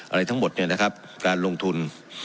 อะไรทั้งหมดการลงทุน